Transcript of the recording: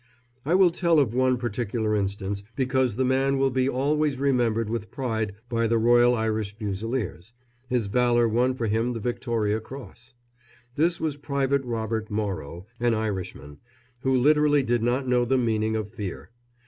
I will tell of one particular instance, because the man will be always remembered with pride by the Royal Irish Fusiliers his valour won for him the Victoria Cross. This was Private Robert Morrow, an Irishman, who literally did not know the meaning of fear.